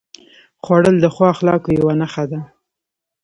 خوړل د ښو اخلاقو یوه نښه ده